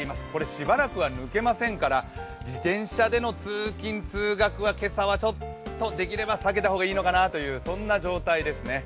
しばらくは抜けませんから自転車での通勤通学は今朝はちょっとできれば避けた方がいいのかなという状態ですね。